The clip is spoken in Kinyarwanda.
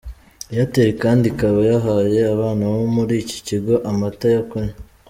Airtel kandi ikaba yahaye abana bo muri iki kigo amata yo kunywa.